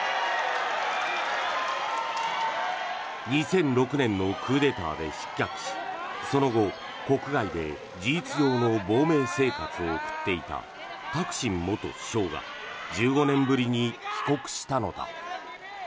２００６年のクーデターで失脚しその後、国外で事実上の亡命生活を送っていたタクシン元首相が１５年ぶりに帰国したのだ。